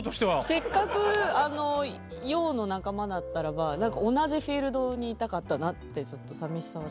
せっかくあの「よう」の仲間だったらば同じフィールドにいたかったなってちょっと寂しさは。